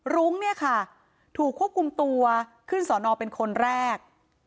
รุ้งเนี่ยค่ะถูกควบคุมตัวขึ้นสอนอเป็นคนแรก